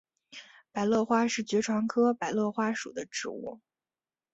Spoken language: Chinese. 百簕花是爵床科百簕花属的植物。